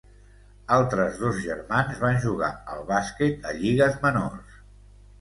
Altres dos germans van jugar al bàsquet a lligues menors.